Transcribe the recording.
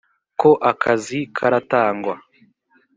ko akazi karatangwa?